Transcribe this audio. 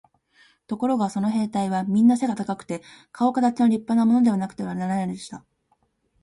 ところがその兵隊はみんな背が高くて、かおかたちの立派なものでなくてはならないのでした。